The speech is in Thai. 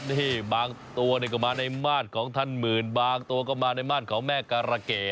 นี่บางตัวก็มาในม่านของท่านหมื่นบางตัวก็มาในม่านของแม่การะเก๋